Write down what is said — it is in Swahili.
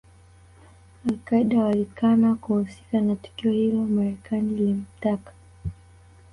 Al Qaeda walikana kuhusika na tukio hilo Marekani ilimtaka